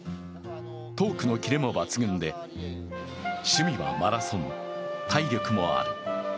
トークの切れも抜群で趣味はマラソン、体力もある。